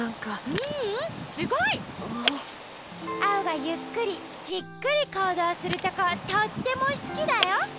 ううんすごい！アオがゆっくりじっくりこうどうするとことってもすきだよ。